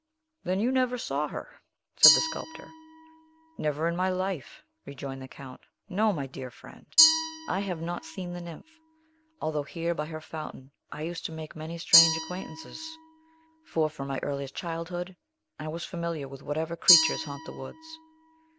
"Then you never saw her?" said the sculptor. "Never in my life!" rejoined the Count. "No, my dear friend, I have not seen the nymph; although here, by her fountain, I used to make many strange acquaintances; for, from my earliest childhood, I was familiar with whatever creatures haunt the woods.